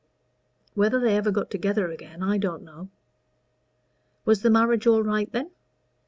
Whether they ever got together again I don't know." "Was the marriage all right then?"